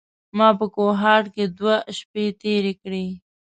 ما په کوهاټ کې دوې شپې تېرې کړې.